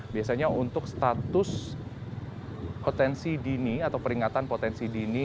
biasanya untuk status potensi dini atau peringatan potensi dini